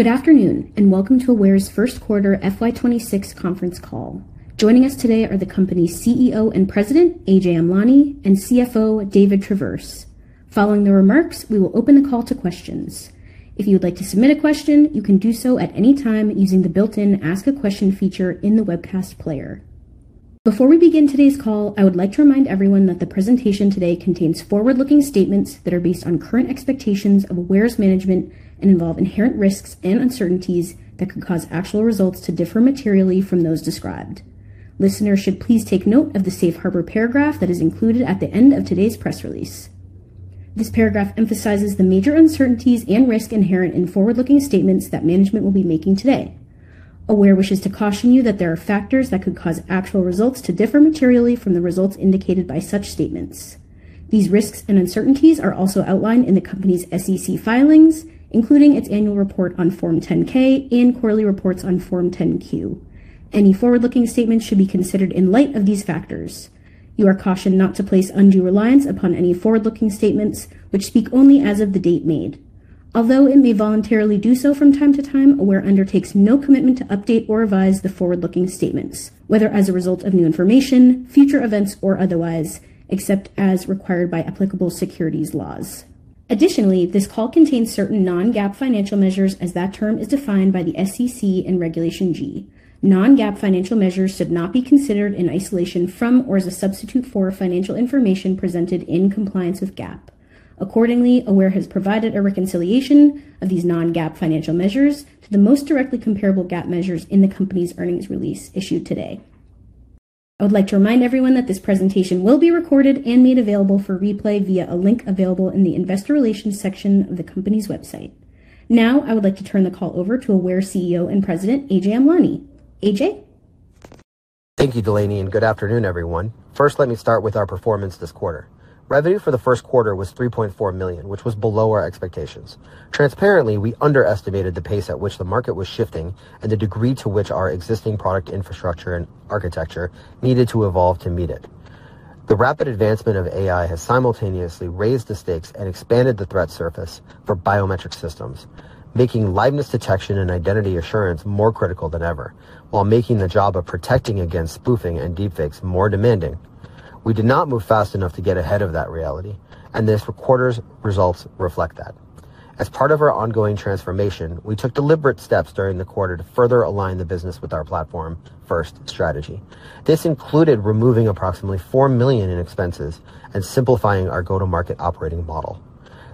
Good afternoon, and welcome to Aware's first quarter FY 2026 conference call. Joining us today are the company's CEO and President, Ajay Amlani, and CFO, David Traverse. Following the remarks, we will open the call to questions. If you would like to submit a question, you can do so at any time using the built-in Ask a Question feature in the webcast player. Before we begin today's call, I would like to remind everyone that the presentation today contains forward-looking statements that are based on current expectations of Aware's management, and involve inherent risks, and uncertainties that could cause actual results to differ materially from those described. Listeners should please take note of the safe harbor paragraph that is included at the end of today's press release. This paragraph emphasizes the major uncertainties and risk inherent in forward-looking statements that management will be making today. Aware wishes to caution you that there are factors that could cause actual results to differ materially from the results indicated by such statements. These risks and uncertainties are also outlined in the company's SEC filings, including its annual report on Form 10-K and quarterly reports on Form 10-Q. Any forward-looking statements should be considered in light of these factors. You are cautioned not to place undue reliance upon any forward-looking statements which speak only as of the date made. Although it may voluntarily do so from time to time, Aware undertakes no commitment to update or revise the forward-looking statements, whether as a result of new information, future events, or otherwise, except as required by applicable securities laws. Additionally, this call contains certain non-GAAP financial measures as that term is defined by the SEC and Regulation G. Non-GAAP financial measures should not be considered in isolation from or as a substitute for financial information presented in compliance with GAAP. Accordingly, Aware has provided a reconciliation of these non-GAAP financial measures to the most directly comparable GAAP measures in the company's earnings release issued today. I would like to remind everyone that this presentation will be recorded and made available for replay via a link available in the Investor Relations section of the company's website. Now, I would like to turn the call over to Aware CEO and President, Ajay Amlani. Ajay? Thank you, Delaney, and good afternoon, everyone. First, let me start with our performance this quarter. Revenue for the first quarter was $3.4 million, which was below our expectations. Transparently, we underestimated the pace at which the market was shifting and the degree to which our existing product infrastructure and architecture needed to evolve to meet it. The rapid advancement of AI has simultaneously raised the stakes and expanded the threat surface for biometric systems, making liveness detection and identity assurance more critical than ever, while making the job of protecting against spoofing and deepfakes more demanding. We did not move fast enough to get ahead of that reality and this quarter's results reflect that. As part of our ongoing transformation, we took deliberate steps during the quarter to further align the business with our platform-first strategy. This included removing approximately $4 million in expenses and simplifying our go-to-market operating model.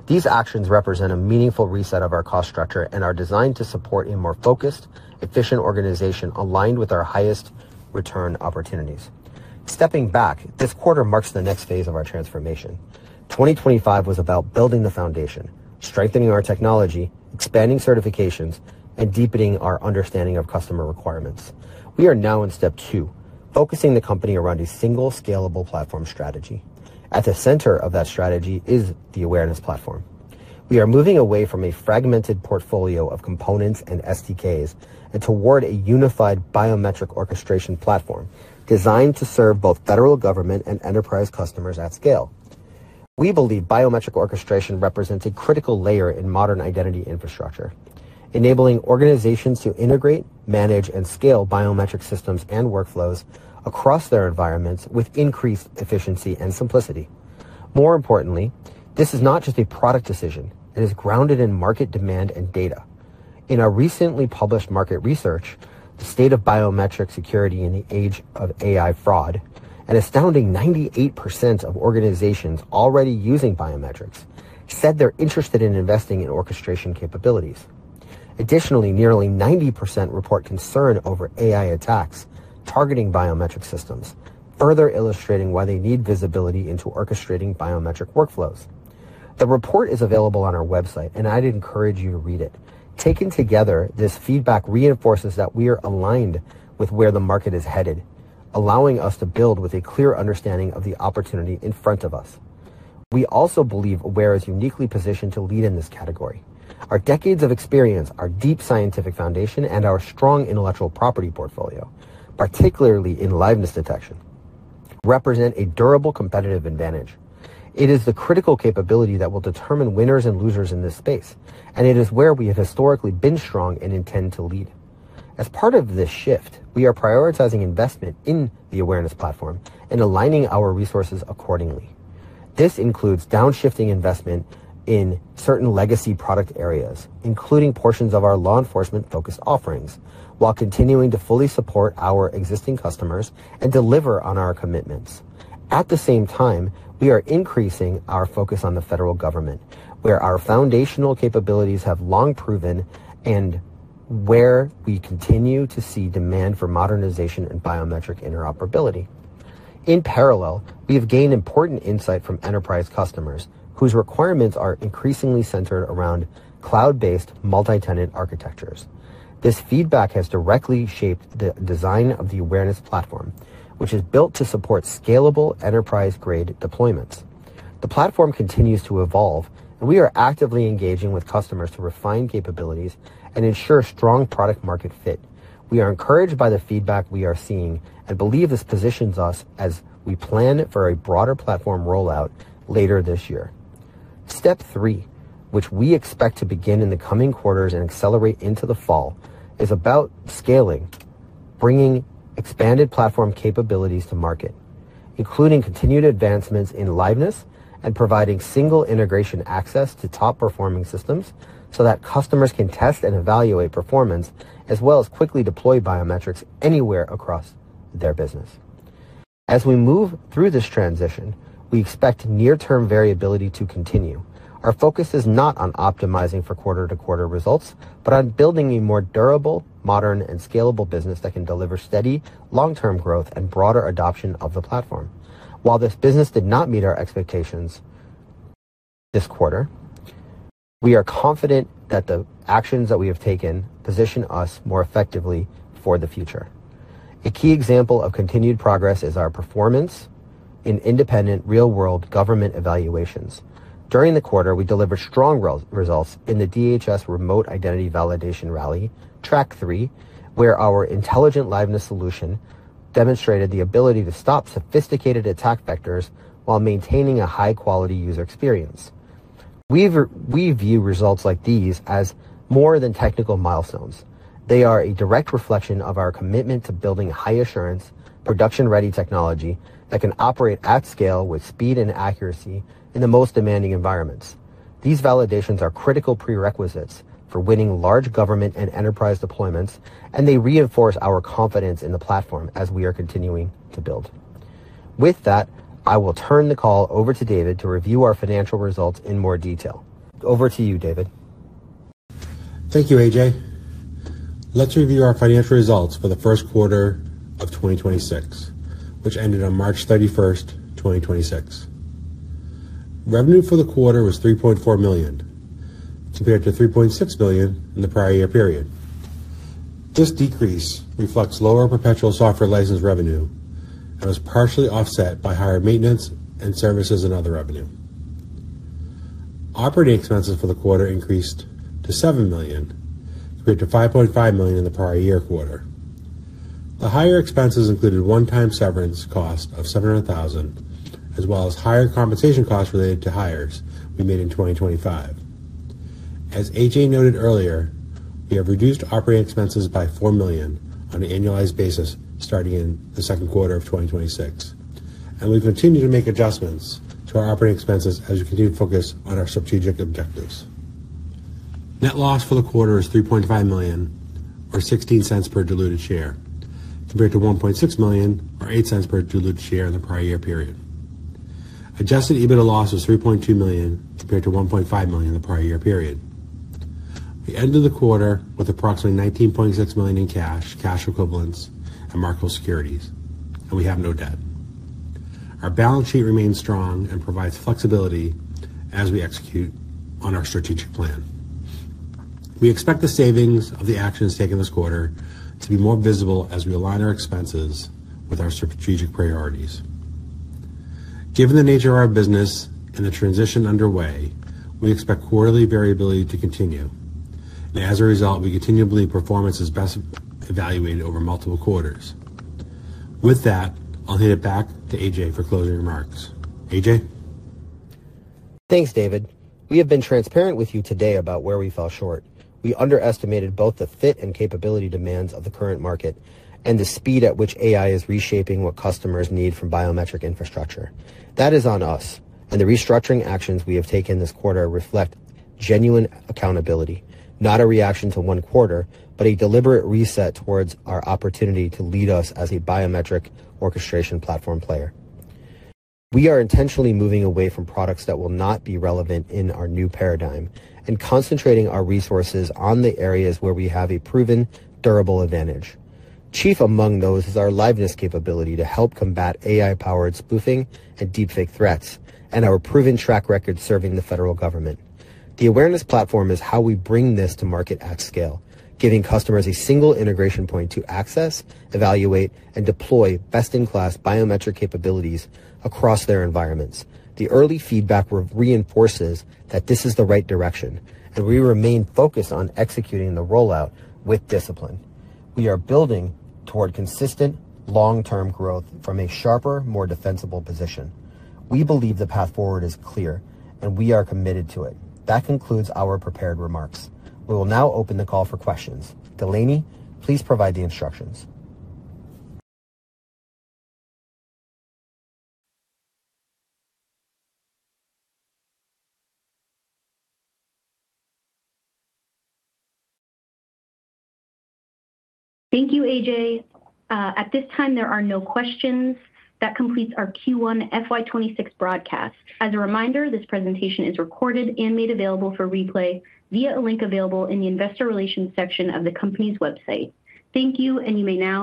These actions represent a meaningful reset of our cost structure and are designed to support a more focused, efficient organization aligned with our highest return opportunities. Stepping back, this quarter marks the next phase of our transformation. 2025 was about building the foundation, strengthening our technology, expanding certifications, and deepening our understanding of customer requirements. We are now in step two, focusing the company around a single scalable platform strategy. At the center of that strategy is the Awareness Platform. We are moving away from a fragmented portfolio of components and SDKs and toward a unified biometric orchestration platform designed to serve both federal government and enterprise customers at scale. We believe biometric orchestration represents a critical layer in modern identity infrastructure, enabling organizations to integrate, manage, and scale biometric systems and workflows across their environments with increased efficiency and simplicity. More importantly, this is not just a product decision. It is grounded in market demand and data. In our recently published market research, The State of Biometric Security in the Age of AI Fraud, an astounding 98% of organizations already using biometrics said they're interested in investing in orchestration capabilities. Additionally, nearly 90% report concern over AI attacks targeting biometric systems, further illustrating why they need visibility into orchestrating biometric workflows. The report is available on our website, and I'd encourage you to read it. Taken together, this feedback reinforces that we are aligned with where the market is headed, allowing us to build with a clear understanding of the opportunity in front of us. We also believe Aware is uniquely positioned to lead in this category. Our decades of experience, our deep scientific foundation, and our strong intellectual property portfolio, particularly in liveness detection, represent a durable competitive advantage. It is the critical capability that will determine winners and losers in this space, and it is where we have historically been strong and intend to lead. As part of this shift, we are prioritizing investment in the Awareness Platform and aligning our resources accordingly. This includes downshifting investment in certain legacy product areas, including portions of our law enforcement-focused offerings, while continuing to fully support our existing customers and deliver on our commitments. At the same time, we are increasing our focus on the federal government, where our foundational capabilities have long proven, and where we continue to see demand for modernization, and biometric interoperability. In parallel, we have gained important insight from enterprise customers whose requirements are increasingly centered around cloud-based multi-tenant architectures. This feedback has directly shaped the design of the Awareness Platform, which is built to support scalable enterprise-grade deployments. The platform continues to evolve. We are actively engaging with customers to refine capabilities and ensure strong product market fit. We are encouraged by the feedback we are seeing. We believe this positions us as we plan for a broader platform rollout later this year. Step three, which we expect to begin in the coming quarters and accelerate into the fall, is about scaling, bringing expanded platform capabilities to market, including continued advancements in liveness and providing single integration access to top-performing systems so that customers can test and evaluate performance, as well as quickly deploy biometrics anywhere across their business. As we move through this transition, we expect near-term variability to continue. Our focus is not on optimizing for quarter-to-quarter results, but on building a more durable, modern, and scalable business that can deliver steady long-term growth, and broader adoption of the platform. While this business did not meet our expectations this quarter, we are confident that the actions that we have taken position us more effectively for the future. A key example of continued progress is our performance in independent, real-world government evaluations. During the quarter, we delivered strong results in the DHS Remote Identity Validation Rally Track 3, where our Intelligent Liveness solution demonstrated the ability to stop sophisticated attack vectors while maintaining a high-quality user experience. We view results like these as more than technical milestones. They are a direct reflection of our commitment to building high assurance, production-ready technology that can operate at scale with speed and accuracy in the most demanding environments. These validations are critical prerequisites for winning large government and enterprise deployments, and they reinforce our confidence in the platform as we are continuing to build. With that, I will turn the call over to David to review our financial results in more detail. Over to you, David. Thank you, Ajay. Let's review our financial results for the first quarter of 2026, which ended on March 31, 2026. Revenue for the quarter was $3.4 million, compared to $3.6 million in the prior year period. This decrease reflects lower perpetual software license revenue and was partially offset by higher maintenance and services and other revenue. Operating expenses for the quarter increased to $7 million, compared to $5.5 million in the prior year quarter. The higher expenses included one-time severance cost of $700,000, as well as higher compensation costs related to hires we made in 2025. As Ajay noted earlier, we have reduced operating expenses by $4 million on an annualized basis starting in the second quarter of 2026, and we continue to make adjustments to our operating expenses as we continue to focus on our strategic objectives. Net loss for the quarter is $3.5 million or $0.16 per diluted share, compared to $1.6 million or $0.08 per diluted share in the prior year period. Adjusted EBITDA loss was $3.2 million, compared to $1.5 million in the prior year period. We ended the quarter with approximately $19.6 million in cash, cash equivalents, and marketable securities. We have no debt. Our balance sheet remains strong and provides flexibility as we execute on our strategic plan. We expect the savings of the actions taken this quarter to be more visible as we align our expenses with our strategic priorities. Given the nature of our business and the transition underway, we expect quarterly variability to continue. As a result, we continue to believe performance is best evaluated over multiple quarters. With that, I'll hand it back to Ajay for closing remarks. Ajay? Thanks, David. We have been transparent with you today about where we fell short. We underestimated both the fit and capability demands of the current market and the speed at which AI is reshaping what customers need from biometric infrastructure. That is on us, and the restructuring actions we have taken this quarter reflect genuine accountability. Not a reaction for one quarter, but a deliberate reset towards our opportunity to lead us as a biometric orchestration platform player. We are intentionally moving away from products that will not be relevant in our new paradigm and concentrating our resources on the areas where we have a proven durable advantage. Chief among those is our liveness capability to help combat AI-powered spoofing and deep fake threats, and our proven track record serving the federal government. The Awareness Platform is how we bring this to market at scale, giving customers a single integration point to access, evaluate, and deploy best-in-class biometric capabilities across their environments. The early feedback reinforces that this is the right direction, and we remain focused on executing the rollout with discipline. We are building toward consistent long-term growth from a sharper, more defensible position. We believe the path forward is clear, and we are committed to it. That concludes our prepared remarks. We will now open the call for questions. Delaney, please provide the instructions. Thank you, Ajay. At this time, there are no questions. That completes our Q1 FY 2026 broadcast. As a reminder, this presentation is recorded and made available for replay via a link available in the investor relations section of the company's website. Thank you, and you may now disconnect.